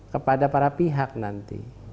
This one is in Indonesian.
kepada para pihak nanti